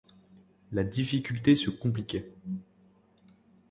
La difficulté se compliquait.